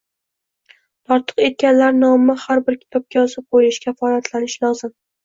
Tortiq etganlar nomi har bir kitobga yozib qo‘yilishi kafolatlanishi lozim.